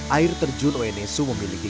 air terjun uenesu memiliki